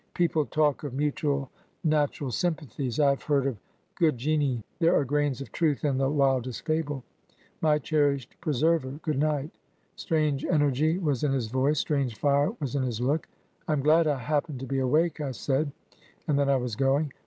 People talk of mutual natural sympathies; I have heard of Good Genii: there are grains of truth in the wildest fable. My cherished preserver, good night.' Strange energy was in his voice, strange fire was in his look. 'I am glad I happened to be awake,' I said, and then I was going.